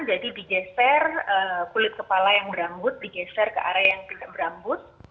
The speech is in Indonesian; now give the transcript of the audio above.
jadi digeser kulit kepala yang berambut digeser ke area yang tidak berambut